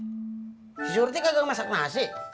din si surti kagak masak nasi